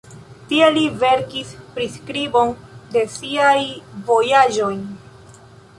Tie li verkis priskribon de siaj vojaĝoj.